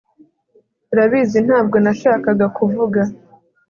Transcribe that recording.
urabizi ntabwo nashakaga kuvuga